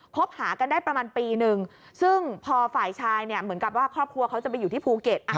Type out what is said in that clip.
หากันได้ประมาณปีนึงซึ่งพอฝ่ายชายเนี่ยเหมือนกับว่าครอบครัวเขาจะไปอยู่ที่ภูเก็ต